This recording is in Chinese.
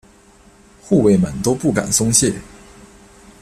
护卫们都不敢松懈。